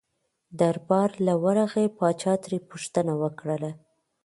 دربار له ورغی پاچا ترې پوښتنه وکړله.